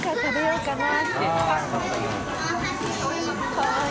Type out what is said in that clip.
かわいい。